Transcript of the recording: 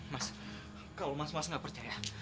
mas kalau mas was nggak percaya